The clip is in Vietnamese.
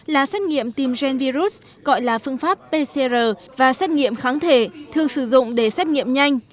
là xét nghiệm tiêm gen virus gọi là phương pháp pcr và xét nghiệm kháng thể thường sử dụng để xét nghiệm nhanh